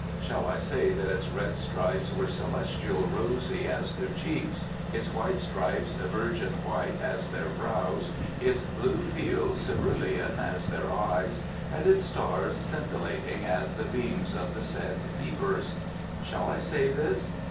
Shall I say that its red stripes were celestial rosy as their cheeks, its white stripes virgin white as their brows, its blue field cerulean as their eyes, and its stars scintillating as the beams of the said peepers? Shall I say this?